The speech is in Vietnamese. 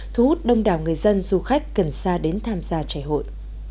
thu hút đông đảo người dân du khách cần xa đến tham gia trải hội